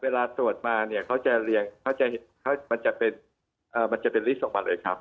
เวลาตรวจมาเนี่ยเขาจะเห็นมันจะเป็นลิสต์ออกมาเลยครับ